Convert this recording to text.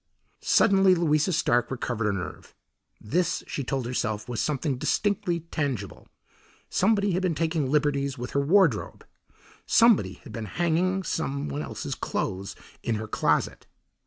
Suddenly Louisa Stark recovered her nerve. This, she told herself, was something distinctly tangible. Somebody had been taking liberties with her wardrobe. Somebody had been hanging some one else's clothes in her closet.